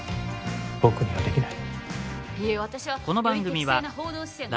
僕にはできない。